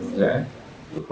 nhiều này xin ra nhiều